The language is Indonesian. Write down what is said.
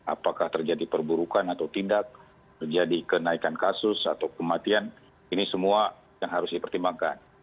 apakah terjadi perburukan atau tidak terjadi kenaikan kasus atau kematian ini semua yang harus dipertimbangkan